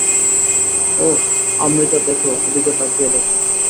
অহ, আমৃতা দেখ, ওদিকে তাকিয়ে দেখ।